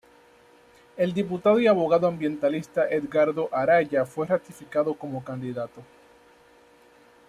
El diputado y abogado ambientalista Edgardo Araya fue ratificado como candidato.